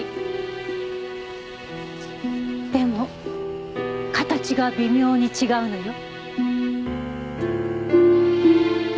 でも形が微妙に違うのよ。